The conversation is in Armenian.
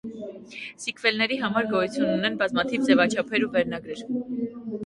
Սիքվելների համար գոյություն ունեն բազմաթիվ ձևաչափեր ու վերնագրեր։